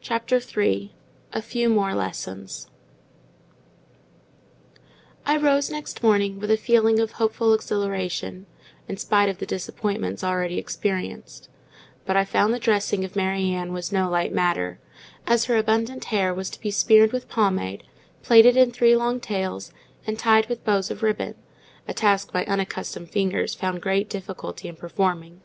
CHAPTER III. A FEW MORE LESSONS I rose next morning with a feeling of hopeful exhilaration, in spite of the disappointments already experienced; but I found the dressing of Mary Ann was no light matter, as her abundant hair was to be smeared with pomade, plaited in three long tails, and tied with bows of ribbon: a task my unaccustomed fingers found great difficulty in performing.